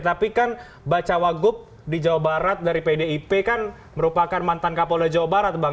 tapi kan bacawagup di jawa barat dari pdip kan merupakan mantan kapolda jawa barat bang